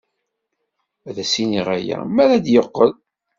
Ad as-iniɣ aya mi ara d-yeqqel.